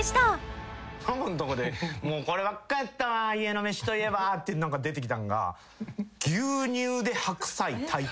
ノブんとこで「こればっかやったわ家の飯といえば」って出てきたんが。